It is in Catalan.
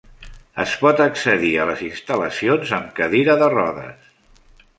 Es pot accedir a les instal·lacions amb cadira de rodes.